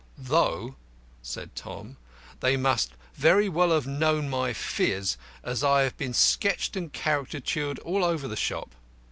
"Though," said Tom, "they must very well have known my phiz, as I have been sketched and caricatured all over the shop.